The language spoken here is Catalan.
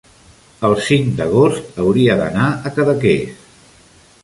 el cinc d'agost hauria d'anar a Cadaqués.